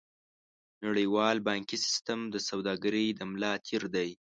نړیوال بانکي سیستم د سوداګرۍ د ملا تیر دی.